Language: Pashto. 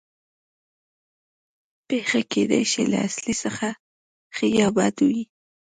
پېښه کېدای شي له اصلي څخه ښه یا بده وي